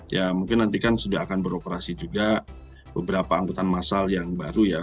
ya mungkin nantikan sudah akan beroperasi juga beberapa anggota masal yang baru ya